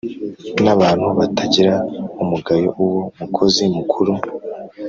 n'abantu batagira umugayo, uwo mukozi mukuru